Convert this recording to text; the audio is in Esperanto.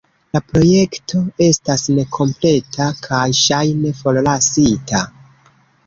La projekto estas nekompleta kaj ŝajne forlasita.